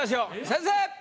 先生！